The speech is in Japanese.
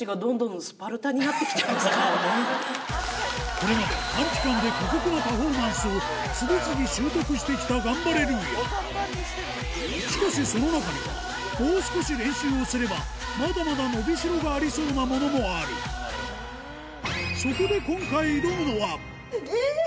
これまで短期間で過酷なパフォーマンスを次々習得してきたガンバレルーヤしかしその中にはもう少し練習をすればまだまだ伸びしろがありそうなものもあるそこでえぇ！